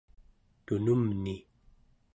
tunumni